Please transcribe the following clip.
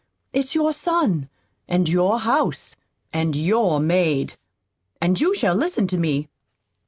It's your son, and your house, and your maid. And you shall listen to me."